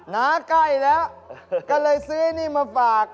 น้าใกล้แล้วก็เลยซื้อไอ้นี่มาฝาก